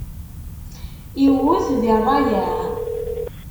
Iwwet di rrayeɛ.